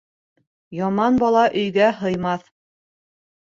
Яман бала өйгә һыймаҫ